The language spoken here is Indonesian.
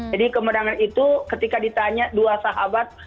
jadi kemenangan itu ketika ditanya dua sahabat